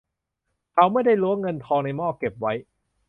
เขาไม่ได้ล้วงเงินทองในหม้อเก็บไว้